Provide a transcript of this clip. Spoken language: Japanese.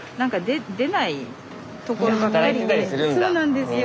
そうなんですよ。